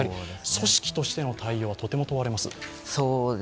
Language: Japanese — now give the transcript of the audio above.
組織としての対応はとても問われます。